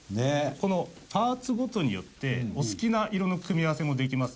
このパーツごとによってお好きな色の組み合わせもできますので。